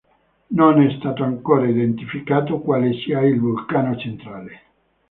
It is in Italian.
Non è stato ancora identificato quale sia il vulcano centrale.